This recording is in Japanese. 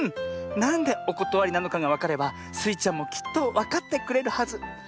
なんでおことわりなのかがわかればスイちゃんもきっとわかってくれるはず。